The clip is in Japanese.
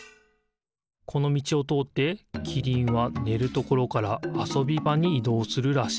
このみちをとおってキリンはねるところからあそびばにいどうするらしい。